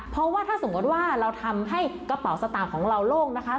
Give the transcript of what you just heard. เพราะว่าถ้าสมมติว่าเราทำให้กระเป๋าสตางค์ของเราโล่งนะคะ